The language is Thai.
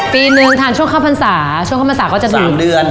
ปีนึงทานช่วงข้าวพรรษาช่วงข้าวพรรษาก็จะถือสามเดือน